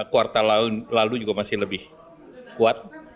kuartal lalu juga masih lebih kuat